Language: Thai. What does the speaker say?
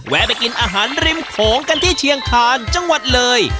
ไปกินอาหารริมโขงกันที่เชียงคาญจังหวัดเลย